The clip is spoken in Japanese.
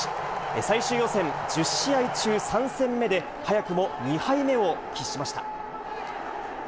最終予選１０試合中３戦目で、早くも２敗目を喫しました。